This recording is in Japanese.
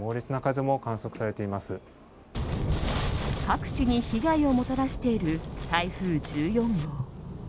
各地に被害をもたらしている台風１４号。